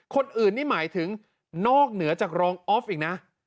คนอื่นนี่หมายถึงนอกเหนือจากรองออฟอีกนะ